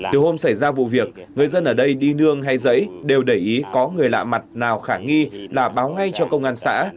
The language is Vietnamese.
từ hôm xảy ra vụ việc người dân ở đây đi nương hay giấy đều để ý có người lạ mặt nào khả nghi là báo ngay cho công an xã